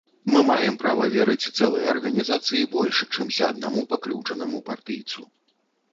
Мы маем права верыць цэлай арганізацыі больш, чымся аднаму пакрыўджанаму партыйцу.